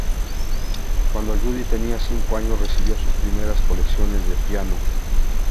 Cuando Judy tenía cinco años, recibió sus primeras lecciones de piano.